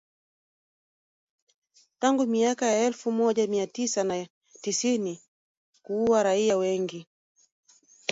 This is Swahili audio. Tangu miaka ya elfu moja mia tisa tisini na kuua raia wengi.